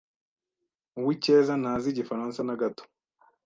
Uwicyeza ntazi Igifaransa na gato.